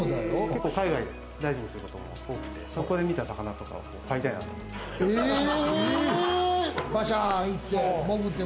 結構、海外でダビングすることも多くて、そこで見た魚とか飼いたいなと思って。